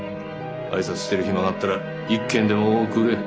挨拶してる暇があったら一件でも多く売れ。